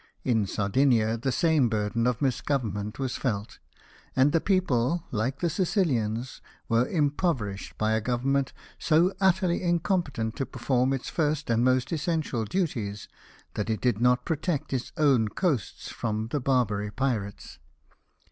In Sardinia the same burden of misgovernment was felt ; and the people, like the Sicilians, were impoverished by a Government so utterly incompetent to perform its first and most essential duties, that it did not pro tect its own coasts from the Barbary pirates.